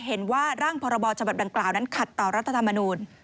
ร่างพรบฉบับดังกล่าวนั้นขัดต่อรัฐธรรมนูล